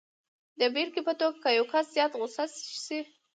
د بېلګې په توګه که یو کس زیات غسه شي